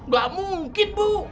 gak mungkin bu